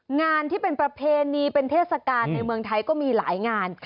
งานที่เป็นประเพณีเป็นเทศกาลในเมืองไทยก็มีหลายงาน